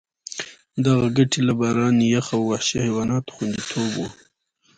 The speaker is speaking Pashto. دغه ګټې له باران، یخ او وحشي حیواناتو خوندیتوب وو.